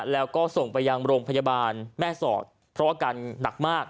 แล้วก็ส่งไปยังโรงพยาบาลแม่สอดเพราะอาการหนักมาก